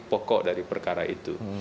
pokok dari perkara itu